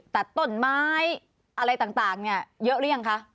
ตัดต้นไม้อะไรต่างเนี่ยเยอะหรือยังคะ